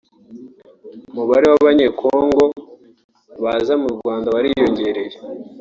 umubare w’abanye-Congo baza mu Rwanda wariyongereye